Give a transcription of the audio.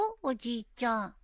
おじいちゃん。